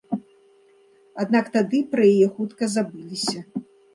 Аднак тады пра яе хутка забыліся.